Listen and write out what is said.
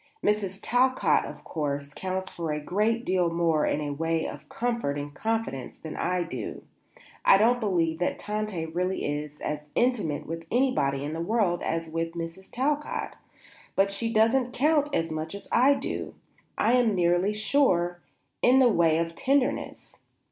Mrs. Talcott, of course, counts for a great deal more in the way of comfort and confidence than I do; I don't believe that Tante really is as intimate with anybody in the world as with Mrs. Talcott; but she doesn't count as much as I do, I am nearly sure, in the way of tenderness.